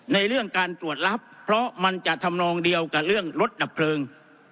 ในเรื่องการตรวจรับเพราะมันจะทำนองเดียวกับเรื่องรถดับเพลิง